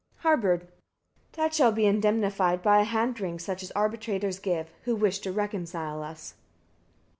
Harbard. 42. That shall be indemnified by a hand ring, such as arbitrators give, who wish to reconcile us.